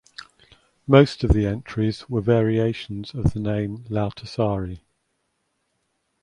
Most of the entries were variations of the name Lauttasaari.